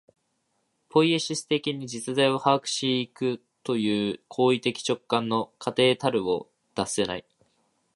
ポイエシス的に実在を把握し行くという行為的直観の過程たるを脱せない。